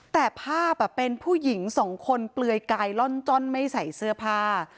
แต่ภาพเป็นผู้หญิงสองคนเปลือยกายล่อนจ้อนไม่ใส่เสื้อผ้า